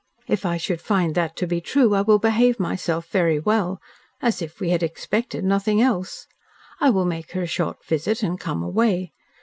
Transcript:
"If I should find that to be true, I will behave myself very well as if we had expected nothing else. I will make her a short visit and come away.